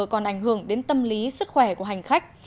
còn ảnh hưởng đến tâm lý sức khỏe của hành khách